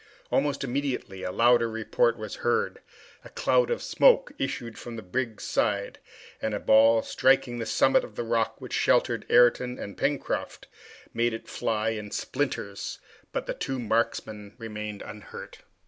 Almost immediately a louder report was heard, a cloud of smoke issued from the brig's side, and a ball, striking the summit of the rock which sheltered Ayrton and Pencroft, made it fly in splinters, but the two marksmen remained unhurt.